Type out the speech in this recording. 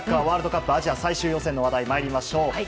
ワールドカップアジア最終予選の話題に参りましょう。